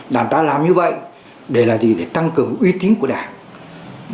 đảng ta làm như vậy để là gì để tăng cường uy tín của đảng